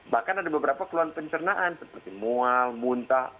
bahkan ada beberapa keluhan pencernaan seperti mual muntah